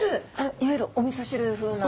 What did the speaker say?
いわゆるおみそ汁風な？